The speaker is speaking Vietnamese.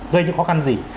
gây những khó khăn gì